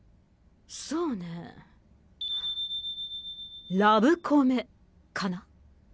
そうねぇラブコメかな。